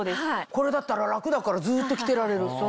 これだったら楽だからずっと着てられる。